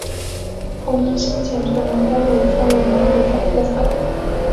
后因兴建屯门公路分为南北两部份。